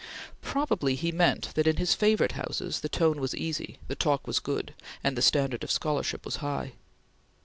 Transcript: Probably he meant that, in his favorite houses, the tone was easy, the talk was good, and the standard of scholarship was high.